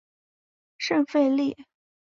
圣费利。